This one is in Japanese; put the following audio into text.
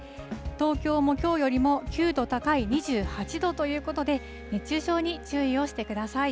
東京もきょうよりも９度高い２８度ということで、熱中症に注意をしてください。